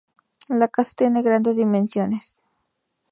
La casa tiene grandes dimensiones.